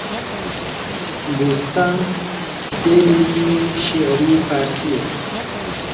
بووستان، کتێبێکی شێعری فارسییە